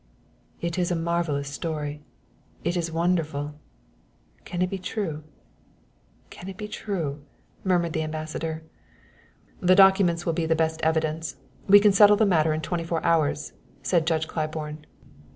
"It is a marvelous story it is wonderful! Can it be true can it be true?" murmured the Ambassador. "The documents will be the best evidence. We can settle the matter in twenty four hours," said Judge Claiborne.